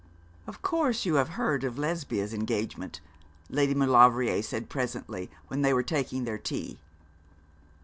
'Of course you have heard of Lesbia's engagement?' Lady Maulevrier said presently, when they were taking their tea.